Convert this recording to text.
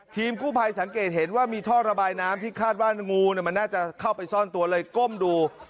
ทีมกู้ภัยสังเกตเห็นว่ามีท่อระบายน้ำที่คาดว่างูมันน่าจะเข้าไปซ่อนตัวเลยก้มดู